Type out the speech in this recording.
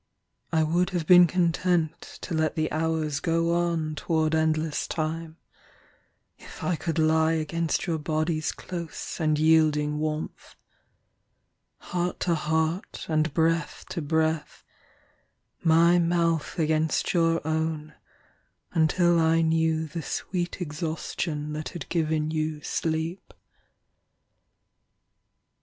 I would have been content to let the hours Go on toward endless time, if I could lie 15 Against your body's close and yielding warmth; Heart to heart and breath to breath, My mouth against your own until I knew The sweet exhaustion that had given you sleep.